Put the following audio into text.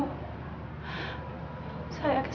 saya kesini sebenarnya bukan untuk makan